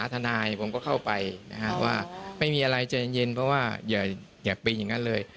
คนขับตำรวจฟ้าไม่เย็นเพราะว่าอย่าไปยังงั้นเลย